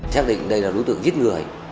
chắc định đây là đối tượng giết người